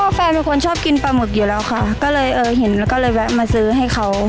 แฟนเป็นคนชอบกินปลาหมึกอยู่แล้วค่ะก็เลยเออเห็นแล้วก็เลยแวะมาซื้อให้เขา